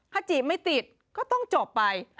ถ้าจีบไม่ติดก็ต้องจบไป